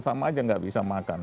sama aja nggak bisa makan